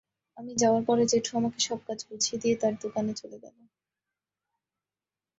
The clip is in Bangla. আমি যাওয়ার পর জেঠু আমাকে সব কাজ বুঝিয়ে দিয়ে তার দোকানে চলে গেল।